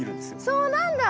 そうなんだ。